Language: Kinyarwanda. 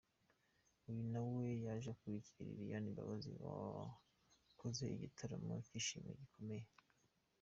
Uyu na we yaje akurikiye Lilian Mbabazi wakoze igitaramo cyishimiwe bikomeye.